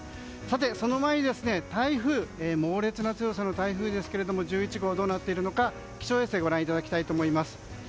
その前に、猛烈な強さの１１号、どうなっているのか気象衛星をご覧いただきたいと思います。